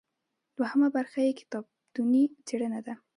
دوهمه برخه یې کتابتوني څیړنه ده.